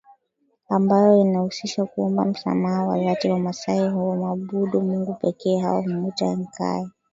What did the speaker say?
ambayo inahusisha kuomba msamaha wa dhatiWamasai humwabudu Mungu pekee nao humwita Enkai au